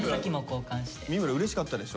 三村うれしかったでしょ。